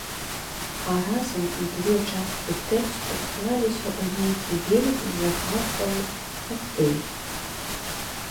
А разам дзве часткі тэксту склаліся ў нейкі вельмі загадкавы кактэйль.